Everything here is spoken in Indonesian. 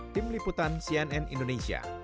tim liputan cnn indonesia